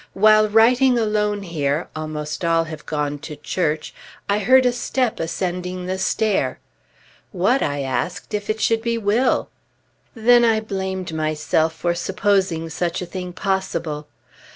While writing alone here (almost all have gone to church), I heard a step ascending the stair. What, I asked, if it should be Will? Then I blamed myself for supposing such a thing possible.